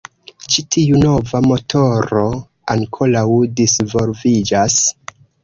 Ĉi tiu nova motoro ankoraŭ disvolviĝas.